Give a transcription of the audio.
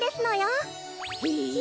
へえ。